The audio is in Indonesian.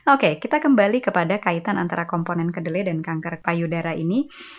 oke kita kembali kepada kaitan antara komponen kedelai dan kanker payudara ini